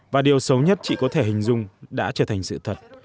và điều xấu nhất chị có thể hình dung đã trở thành sự thật